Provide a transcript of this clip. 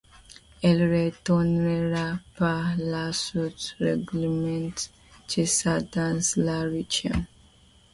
Il retournera par la suite régulièrement chasser dans la région.